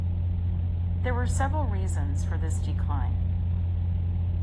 There were several reasons for this decline.